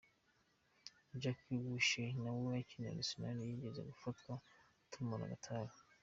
Jack Wilshere nawe ukinira Arsenal yigeze gufatwa atumura agatabi.